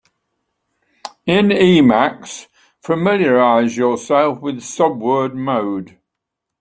In Emacs, familiarize yourself with subword mode.